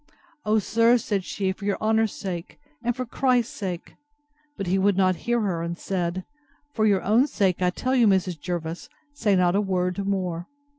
O, sir, said she, for your honour's sake, and for Christ's sake!—But he would not hear her, and said—For your own sake, I tell you, Mrs. Jervis, say not a word more.